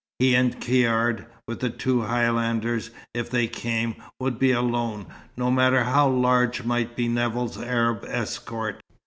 He and Caird, with the two Highlanders, if they came, would be alone, no matter how large might be Nevill's Arab escort.